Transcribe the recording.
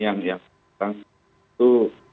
yang sekarang itu